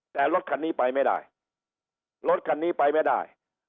แต่รถคันนี้ไปไม่ได้รถคันนี้ไปไม่ได้